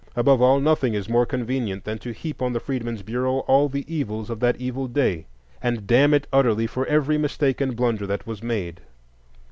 Above all, nothing is more convenient than to heap on the Freedmen's Bureau all the evils of that evil day, and damn it utterly for every mistake and blunder that was made.